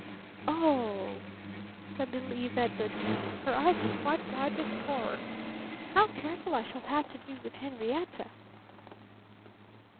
"O h," said little Eve Edgarton. Her eyes were quite wide with horror. "How careful I shall have to be with Henrietta."